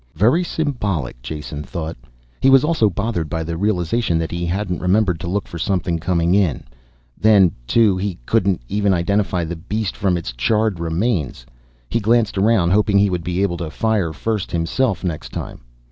Very symbolic, Jason thought. He was also bothered by the realization that he hadn't remembered to look for something coming in. Then, too, he couldn't even identify the beast from its charred remains. He glanced around, hoping he would be able to fire first himself, next time.